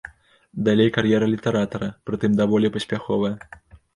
Далей кар'ера літаратара, прытым даволі паспяховая.